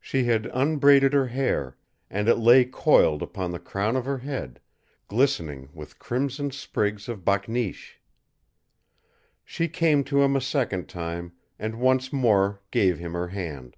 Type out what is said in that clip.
She had unbraided her hair, and it lay coiled upon the crown of her head, glistening with crimson sprigs of bakneesh. She came to him a second time, and once more gave him her hand.